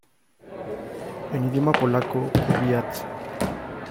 En idioma polaco "powiat".